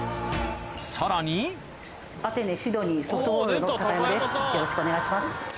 さらによろしくお願いします。